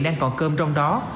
đang còn cơm trong đó